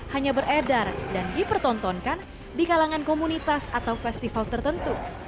hanya beredar dan dipertontonkan di kalangan komunitas atau festival tertentu